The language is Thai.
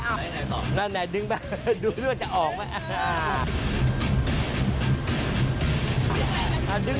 ไสมัยนี่มันจะช้าไม่ได้เลยเพราะช้าเสียทั้งที